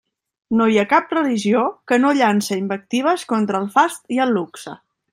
No hi ha cap religió que no llance invectives contra el fast i el luxe.